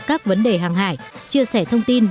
các vấn đề hàng hải chia sẻ thông tin